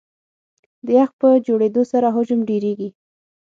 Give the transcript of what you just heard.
د یخ په جوړېدو سره حجم ډېرېږي.